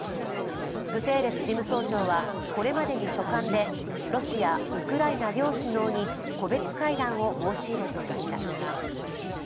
グテーレス事務総長は、これまでに書簡でロシア、ウクライナ両首脳に個別会談を申し入れていました。